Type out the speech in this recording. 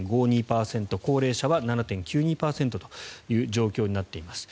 高齢者は７．９２％という状況になっています。